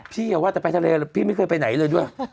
อย่าว่าจะไปทะเลพี่ไม่เคยไปไหนเลยด้วย